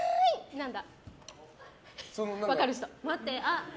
何だ？